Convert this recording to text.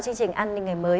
chương trình an ninh ngày mới